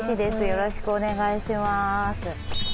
よろしくお願いします。